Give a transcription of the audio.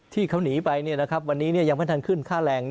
ที่เขาหนีไปวันนี้ยังไม่ทันขึ้นค่าแรง